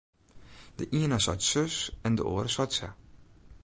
De iene seit sus en de oare seit sa.